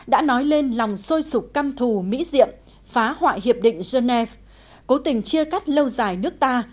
đã nói lên lòng sôi sụp căm thù mỹ diệm phá hoại hiệp định genève cố tình chia cắt lâu dài nước ta